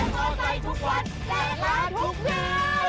เผื่อคนใกล้ทุกวันและกล้าทุกวัน